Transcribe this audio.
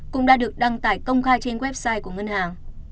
cũng đã được đăng tải công khai trên website của ngân hàng